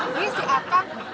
ini si akam